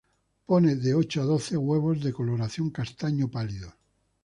Pone de ocho a doce huevos, de coloración castaño pálidos.